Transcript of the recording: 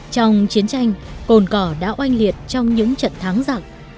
trong chiến tranh cồn cỏ đã oanh liệt trong những trận thắng giặc